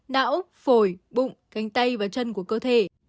não phổi bụng cánh tay và chân của cơ thể